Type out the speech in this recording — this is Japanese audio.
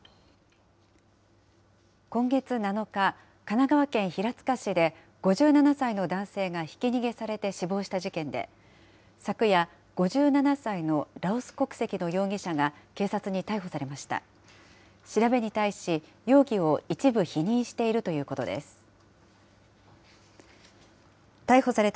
今月７日、神奈川県平塚市で、５７歳の男性がひき逃げされて死亡した事件で、昨夜、５７歳のラオス国籍の容疑者が警察に逮捕されました。